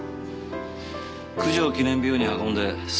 九条記念病院に運んですぐに手術だ。